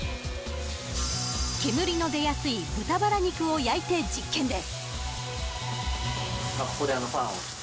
煙の出やすい豚バラ肉を焼いて実験です。